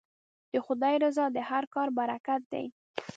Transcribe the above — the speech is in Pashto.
د خدای رضا د هر کار برکت دی.